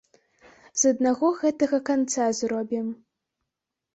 З аднаго гэтага канца зробім.